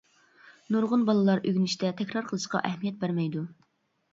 نۇرغۇن بالىلار ئۆگىنىشتە تەكرار قىلىشقا ئەھمىيەت بەرمەيدۇ.